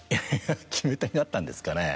決め手になったんですかね？